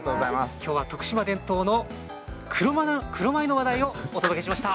きょうは、徳島県伝統の黒米の話題をお届けしました。